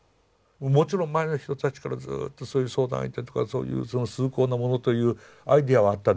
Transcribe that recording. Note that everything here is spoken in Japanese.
もちろん前の人たちからずっとそういう相談相手とかそういう崇高なものというアイデアはあったでしょう。